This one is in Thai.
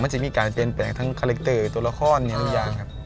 จะมีการเปลี่ยนแปลงทั้งคาแรคเตอร์ตัวละครมีทุกอย่างครับ